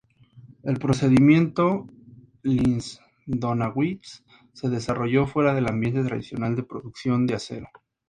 El procedimiento Linz-Donawitz se desarrolló fuera del ambiente tradicional de producción de acero.